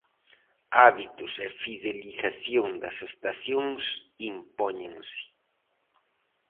Hábitos e fidelización das estacións impóñense.